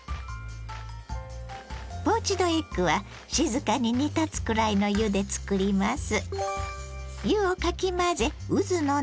ポーチドエッグは静かに煮立つくらいの湯で作ります。